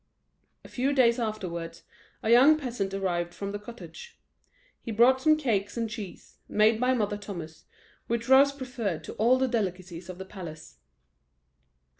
A few days afterwards a young peasant arrived from the cottage; he brought some cakes and cheese, made by Mother Thomas, which Rose preferred to all the delicacies of the palace.